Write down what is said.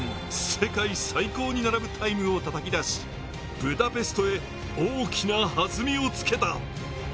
世界最高に並ぶタイムをたたき出しブダペストへ大きなはずみをつけた。